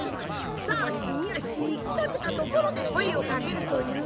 二足三足行きかけたところで声をかけるというもので。